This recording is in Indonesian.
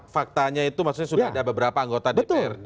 faktanya itu maksudnya sudah ada beberapa anggota dprd